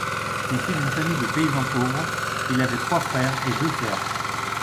Issu d'une famille de paysans pauvres, il avait trois frères et deux sœurs.